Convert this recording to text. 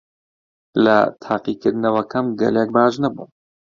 لە تاقیکردنەوەکەم گەلێک باش نەبووم.